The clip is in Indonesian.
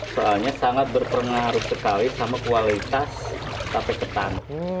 soalnya sangat berpengaruh sekali sama kualitas tape ketan